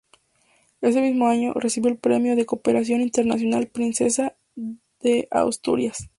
Ese mismo año, recibió el premio de Cooperación Internacional Princesa de Asturias.